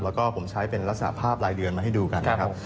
แล้วก็ผมใช้เป็นลักษณะภาพรายเดือนมาให้ดูกันนะครับ